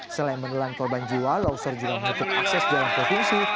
selain menelan korban jiwa longsor juga menutup akses jalan provinsi